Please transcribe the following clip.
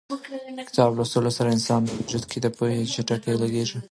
د کتاب په لوستلو سره د انسان په وجود کې د پوهې جټکې لګېږي.